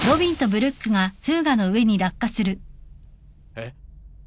えっ？